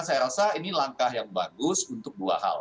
saya rasa ini langkah yang bagus untuk dua hal